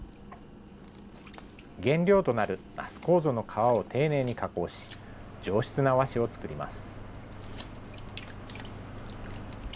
原料となる那須楮の皮を丁寧に加工し、上質な和紙を作ります。